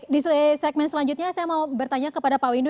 di segmen selanjutnya saya mau bertanya kepada pak windu